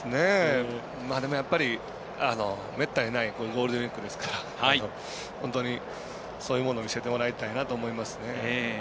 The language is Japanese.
でもやっぱりめったにないゴールデンウイークですから本当に、そういうものを見せてもらいたいなと思いますね。